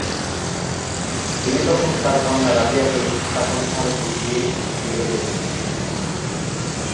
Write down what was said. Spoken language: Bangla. তিনি তখন তার কন্যা রাজিয়াকে শাসনভার বুঝিয়ে দিয়ে যেতেন।